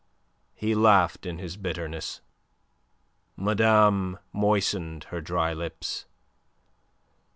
He laughed in his bitterness. Madame moistened her dry lips.